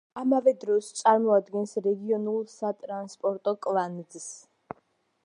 ამავე დროს, წარმოადგენს რეგიონულ სატრანსპორტო კვანძს.